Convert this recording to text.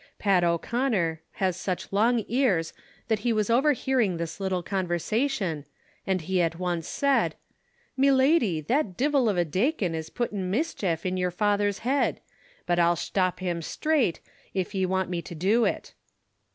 Pat O'Conner has such long ears that he was overhear ing this little conversation, and he at once said : ''Me lady, that divil of a dacon is a puttin' mischafe unto yer father's head ; but I'll shtop him strate, if ye want me to do it."